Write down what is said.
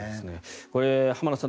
これ、浜田さん